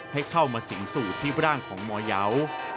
ให้เข้ามาสิงสูตรที่ร่างของหมอยาว